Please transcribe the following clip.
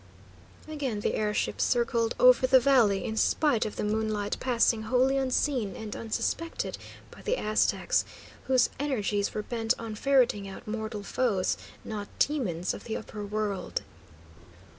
Again the air ship circled over the valley, in spite of the moonlight passing wholly unseen and unsuspected by the Aztecs, whose energies were bent on ferreting out mortal foes, not demons of the upper world.